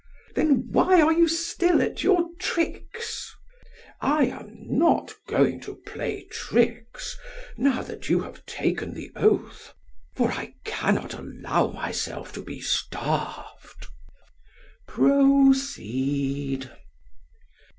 PHAEDRUS: Then why are you still at your tricks? SOCRATES: I am not going to play tricks now that you have taken the oath, for I cannot allow myself to be starved. PHAEDRUS: Proceed.